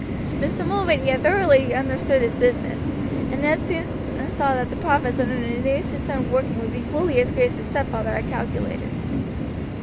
Mr. Mulready had thoroughly understood his business, and Ned soon saw that the profits under the new system of working would be fully as great as his stepfather had calculated.